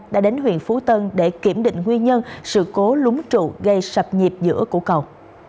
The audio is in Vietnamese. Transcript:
đã đến huyện phú tân để kiểm định nguyên nhân sự cố lúng trụ gây sập nhịp giữa cổ cầu